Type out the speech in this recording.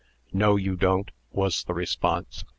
"No, you don't," was the response.